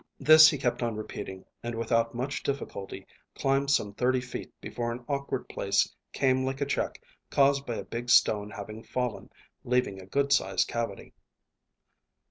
This he kept on repeating, and without much difficulty climbed some thirty feet, before an awkward place came like a check, caused by a big stone having fallen, leaving a good sized cavity.